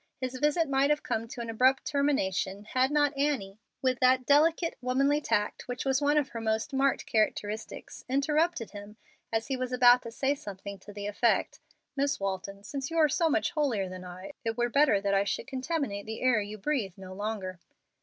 His visit might have come to an abrupt termination, had not Annie, with that delicate, womanly tact which was one of her most marked characteristics, interrupted him as he was about to say something to the effect, "Miss Walton, since you are so much holier than I, it were better that I should contaminate the air you breathe no longer."